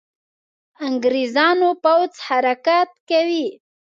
انګرېزانو پوځ حرکت کوي.